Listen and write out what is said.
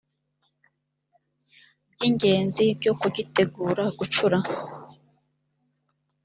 by ingenzi byo kugitegura gucura